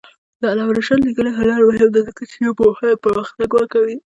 د علامه رشاد لیکنی هنر مهم دی ځکه چې ژبپوهنه پرمختګ ورکوي.